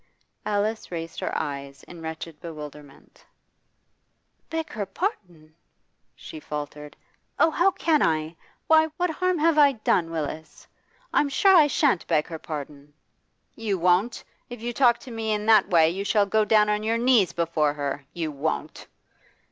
Alice raised her eyes in wretched bewilderment. 'Beg her pardon?' she faltered. 'Oh, how can I? Why, what harm have I done, Willis? I'm sure I shan't beg her pardon.' 'You won't? If you talk to me in that way you shall go down on your knees before her. You won't?